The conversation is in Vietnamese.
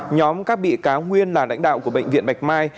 nhóm các bị cáo nguyên là lãnh đạo của bệnh viện bạch mai